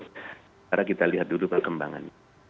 sekarang kita lihat dulu perkembangannya